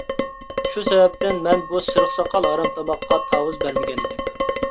شۇ سەۋەبتىن مەن بۇ سېرىق ساقال ھارامتاماققا تاۋۇز بەرمىگەنىدىم.